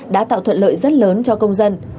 đã tạo thuận lợi rất lớn cho công dân